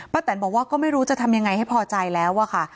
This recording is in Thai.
แตนบอกว่าก็ไม่รู้จะทำยังไงให้พอใจแล้วอะค่ะ